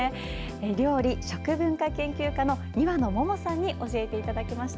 料理・食文化研究家の庭乃桃さんに教えていただきました。